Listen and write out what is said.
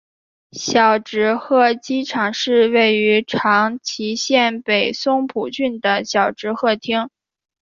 小值贺机场是位于长崎县北松浦郡小值贺町。